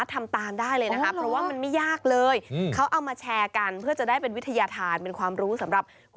ปกติเราเห็นแค่เป็นรูปโปรไมค์